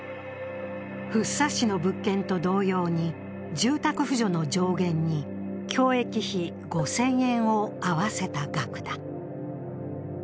福生市の物件と同様に、住宅扶助の上限に共益費５０００円を合わせた額だ。